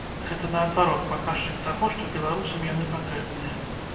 Гэта, наадварот, паказчык таго, што беларусам яны патрэбныя.